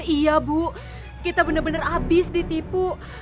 iya bu kita bener bener abis ditipu